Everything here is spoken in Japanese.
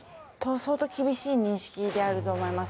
相当厳しい認識であると思います。